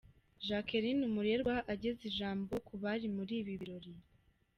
Jacqueline Umurerwa ageza ijambo ku bari muri ibi birori.